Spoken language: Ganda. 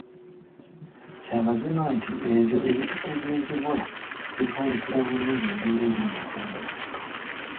Kya mazima nti ebyo ebitutegeezebwa bitwolekera bulungi embeera eri mu Uganda yattu.